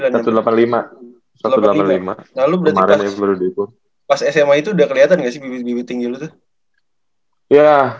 nah lu berarti pas sma itu udah keliatan gak sih bibit bibit tinggi lu tuh